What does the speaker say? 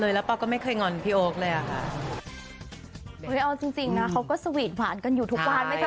เลยอ่ะฮะเฮ้ยเอาจริงจริงนะเขาก็สวีทหวานกันอยู่ทุกวันไหม